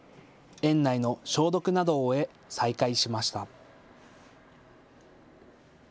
園内の消毒などを終え再開しました。